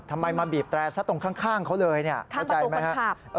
ทำไมมาบีบแตรซะตรงข้างเขาเลยเข้าใจไหมครับ